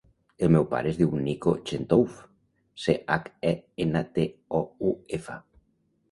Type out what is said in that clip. El meu pare es diu Niko Chentouf: ce, hac, e, ena, te, o, u, efa.